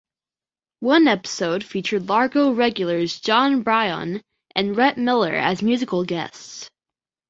One episode featured Largo regulars Jon Brion and Rhett Miller as musical guests.